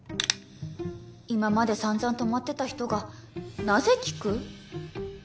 今まで散々泊まってた人がなぜ聞く？